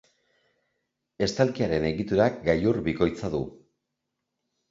Estalkiaren egiturak gailur bikoitza du.